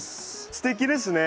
すてきですね。